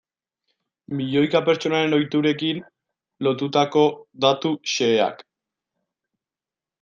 Milioika pertsonaren ohiturekin lotutako datu xeheak.